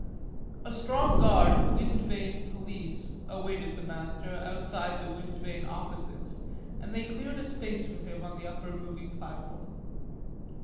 A strong guard of the Wind Vane police awaited the Master outside the Wind Vane offices, and they cleared a space for him on the upper moving platform.